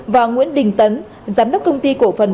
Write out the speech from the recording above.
và nguyễn đình tấn giám đốc công ty cổ phần